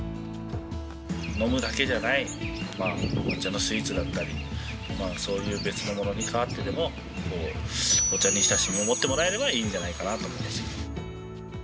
◆飲むだけじゃない抹茶のスイーツだったり、そういう別のものに変わってでもお茶に親しみを持ってもらえればいいんじゃないかなと思います。